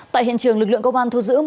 tại hiện trường lực lượng công an thu giữ